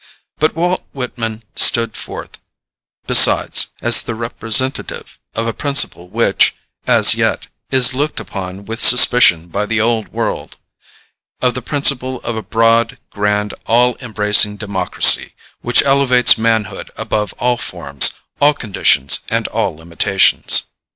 But Walt Whitman stood forth, besides, as the representative of a principle which, as yet, is looked upon with suspicion by the old world, of the principle of a broad, grand, all embracing democracy, which elevates manhood above all forms, all conditions, and all limitations.